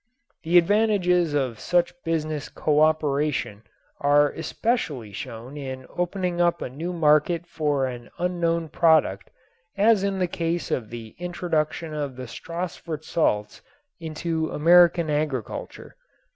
The advantages of such business coöperation are specially shown in opening up a new market for an unknown product as in the case of the introduction of the Stassfurt salts into American agriculture.